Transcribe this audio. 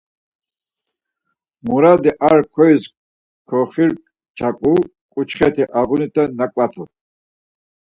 Muradi ar ǩyoiz koxirçaǩu, ǩuçxeti argunite naǩvatu.